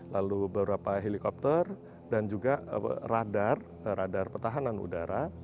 lalu beberapa helikopter dan juga radar radar pertahanan udara